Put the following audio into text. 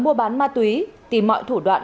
mua bán ma túy tìm mọi thủ đoạn